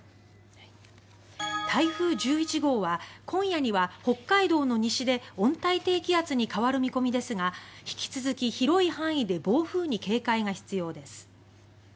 台風１１号は今夜には北海道の西で温帯低気圧に変わる見込みですが引き続き、広い範囲で暴風に警戒が必要です。